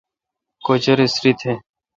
کُچَر اسری تھہ۔